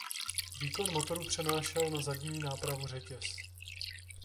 Výkon motoru přenášel na zadní nápravu řetěz.